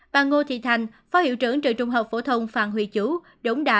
bà ngô thị thành phó hiệu trưởng trường trung học phổ thông phạm huy chú đống đa